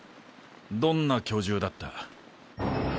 どんな巨獣だった？